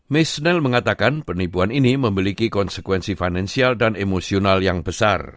misnel mengatakan penipuan ini memiliki konsekuensi finansial dan emosional yang besar